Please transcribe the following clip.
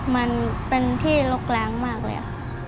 มันเป็นที่ลกล้างมากเลยค่ะ